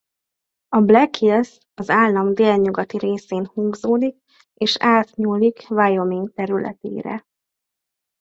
A Black Hills az állam délnyugati részén húzódik és átnyúlik Wyoming területére.